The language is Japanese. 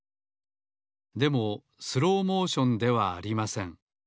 でもスローモーションではありません。